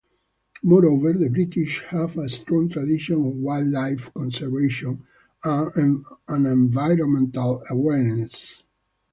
Moreover, the British have a strong tradition of wildlife conservation and environmental awareness.